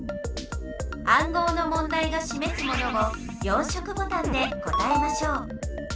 暗号の問題がしめすものを４色ボタンで答えましょう。